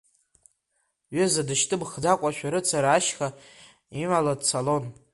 Ҩыза дышьҭымхӡакәа, шәарыцара ашьха имала дцалон.